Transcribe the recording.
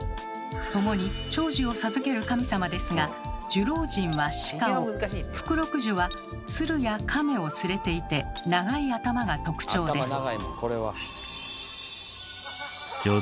共に長寿を授ける神様ですが寿老人は鹿を福禄寿は鶴や亀を連れていて長い頭が特徴です。